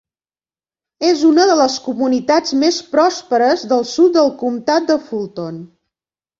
És una de les comunitats més pròsperes del sud del comtat de Fulton.